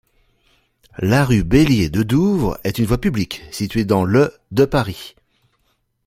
La rue Bellier-Dedouvre est une voie publique située dans le de Paris.